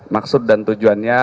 maksud dan tujuannya